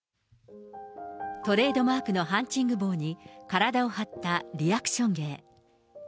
トレードマークのハンチング帽に、体を張ったリアクション芸。